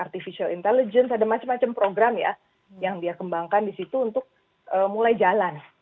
artificial intelligence ada macam macam program ya yang dia kembangkan di situ untuk mulai jalan